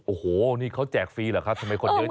โอ้โหนี่เขาแจกฟรีเหรอครับทำไมคนเยอะ